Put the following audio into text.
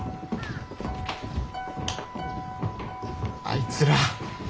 あいつら。